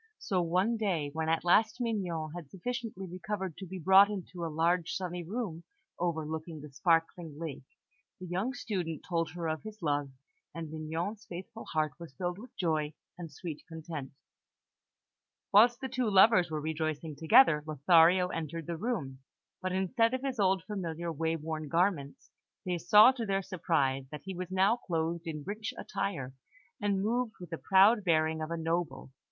So, one day, when at last Mignon had sufficiently recovered to be brought into a large, sunny room overlooking the sparkling lake, the young student told her of his love, and Mignon's faithful heart was filled with joy and sweet content. Whilst the two lovers were rejoicing together, Lothario entered the room; but instead of his old familiar, way worn garments, they saw, to their surprise, that he was now clothed in rich attire, and moved with the proud bearing of a noble.